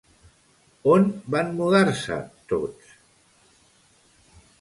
On van mudar-se tots?